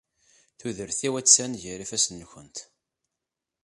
Tudert-iw attan gar ifassen-nkent.